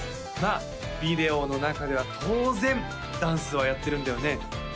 まあビデオの中では当然ダンスはやってるんだよね？